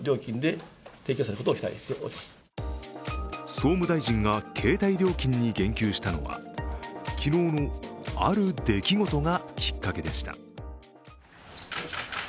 総務大臣が携帯料金に言及したのは昨日のある出来事がきっかけでした。